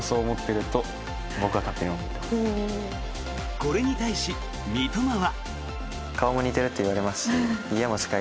これに対し、三笘は。